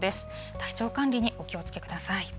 体調管理にお気をつけください。